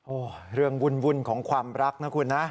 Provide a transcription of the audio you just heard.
โอ้โหเรื่องวุ่นของความรักนะคุณนะ